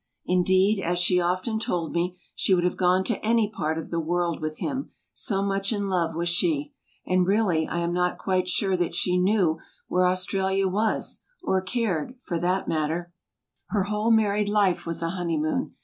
Indeed, as she often told me, she would have gone to any part of the world with him, so much in love was she; and really I am not quite sure that she knew where Australia was, or cared, for that matter. [v] I^IY TRAVELS Her whole married life was a honeymoon.